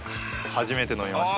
初めて飲みました。